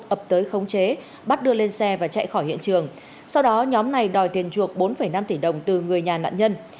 ập tới khống chế bắt đưa lên xe và chạy khỏi hiện trường sau đó nhóm này đòi tiền chuộc bốn năm tỷ đồng từ người nhà nạn nhân